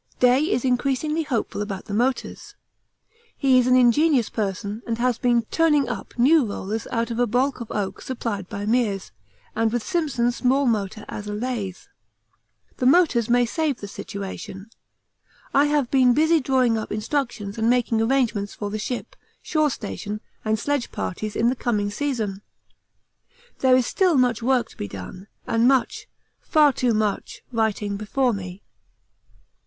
Day is increasingly hopeful about the motors. He is an ingenious person and has been turning up new rollers out of a baulk of oak supplied by Meares, and with Simpson's small motor as a lathe. The motors may save the situation. I have been busy drawing up instructions and making arrangements for the ship, shore station, and sledge parties in the coming season. There is still much work to be done and much, far too much, writing before me.